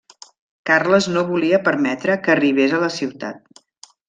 Carles no volia permetre que arribés a la ciutat.